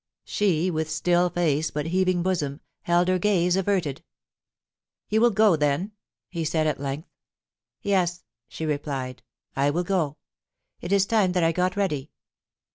She, with still face but heaving bosom, held her gaze averted. * You will go, then P he said at length. * Yes,' she replied. * I will ga It is time that I got ready.'